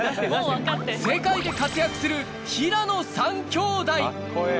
世界で活躍する平野３兄弟いや！